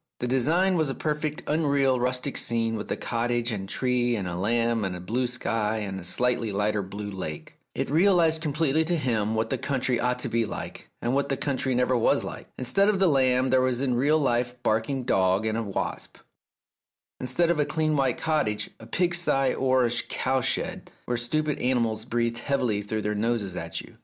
The design was a perfectly unreal rustic scene with a cottage and a tree and a lamb and a blue sky and a slightly lighter blue lake. It realized completely to him what the country ought to be like, and what the country never was like. Instead of the lamb there was in real life a barking dog and a wasp ; instead of a blue lake a marsh, which oozed with mud and dirtied your boots; instead of a clean white cottage, a pig sty or a cowshed where stupid animals breathed heavily through their noses at you.